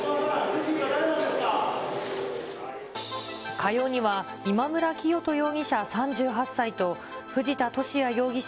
火曜には、今村磨人容疑者３８歳と、藤田聖也容疑者